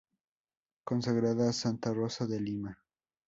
Consagrada a Santa Rosa de Lima.